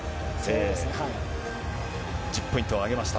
１０ポイントを挙げました。